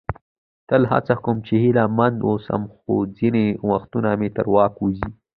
تل هڅه کوم چې هیله مند واوسم، خو ځینې وختونه مې تر واک ووزي.